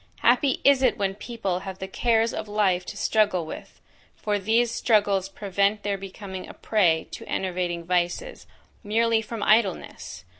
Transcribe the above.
Happy is it when people have the cares of life to struggle with; for these struggles prevent their becoming a prey to enervating vices, merely from idleness!